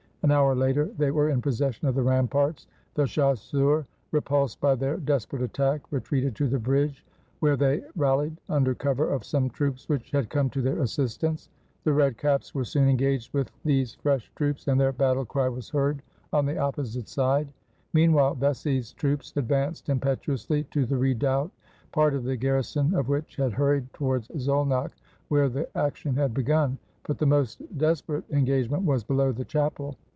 An hour later, they were in possession of the ramparts. The chasseurs, repulsed by their desperate attack, retreated to the bridge, where they rallied, un der cover of some troops which had come to their assist ance. The red caps were soon engaged with these fresh 351 AUSTRIA HUNGARY troops, and their battle cry was heard on the opposite side. Meanwhile Vecsey's troops advanced impetuously to the redoubt, part of the garrison of which had hurried towards Szolnok, where the action had begun; but the most desperate engagement was below the chapel.